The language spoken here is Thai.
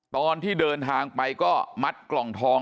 ตอนที่เดินทางไปก็มัดกล่องทอง